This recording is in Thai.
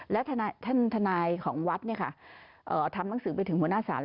และท่านทนายของวัดทำหนังสือไปถึงหัวหน้าศาล